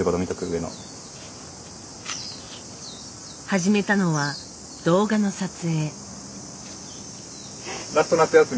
始めたのは動画の撮影。